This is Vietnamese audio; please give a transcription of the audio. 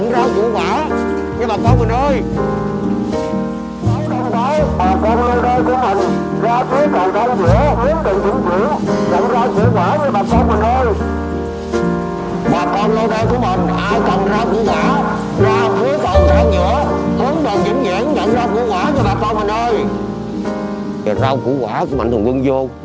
rau củ quả của mạnh thuần quân vô